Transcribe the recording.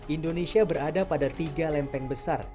indonesia berada pada tiga lempeng besar